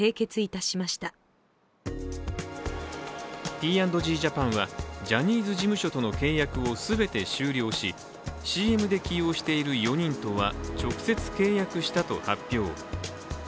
Ｐ＆Ｇジャパンはジャニーズ事務所との契約を全て終了し、ＣＭで起用している４人とは直接契約したと発表。